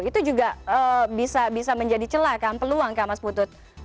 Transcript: itu juga bisa menjadi celakaan peluang kan mas putut